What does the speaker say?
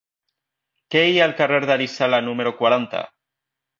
Què hi ha al carrer d'Arizala número quaranta?